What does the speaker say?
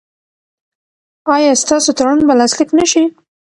ایا ستاسو تړون به لاسلیک نه شي؟